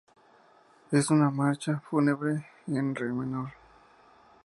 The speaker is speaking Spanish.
Es una marcha fúnebre en re menor.